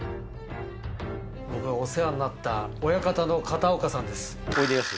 僕がお世話になった親方の片おいでやす。